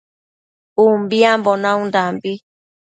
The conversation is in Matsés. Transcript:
Umbiambo naundambi